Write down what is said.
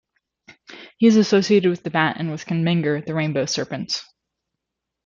He is associated with the bat and with Kunmanggur the rainbow serpent.